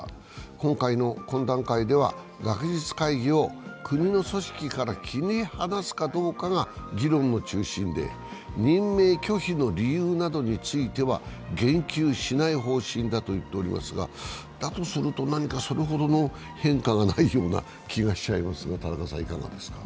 今回の懇談会では学術会議を国の組織から切り離すかどうかが議論の中心で、任命拒否の理由などについては言及しない方針だと言っておりますがだとすると、何かそれほどの変化がないような気がしちゃいますが、いかがですか？